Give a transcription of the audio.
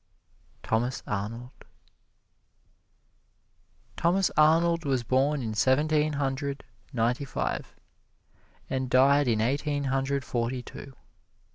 Thomas Arnold THOMAS ARNOLD Thomas Arnold was born in Seventeen Hundred Ninety five, and died in Eighteen Hundred Forty two.